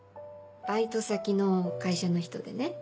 バイト先の会社の人でね。